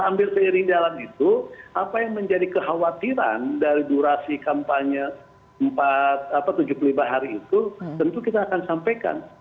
hampir seiring dalam itu apa yang menjadi kekhawatiran dari durasi kampanye tujuh puluh lima hari itu tentu kita akan sampaikan